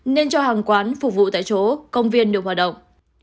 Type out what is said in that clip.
nên cho hàng quán phục vụ tại chỗ công viên được hoạt động